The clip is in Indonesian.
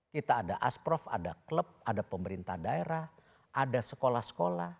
kita ada asprof ada klub ada pemerintah daerah ada sekolah sekolah